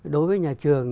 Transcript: đối với nhà trường